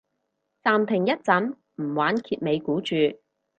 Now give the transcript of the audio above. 暫停一陣唔玩揭尾故住